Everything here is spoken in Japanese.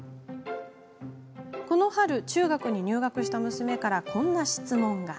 この春、中学に入学した娘からこんな質問が。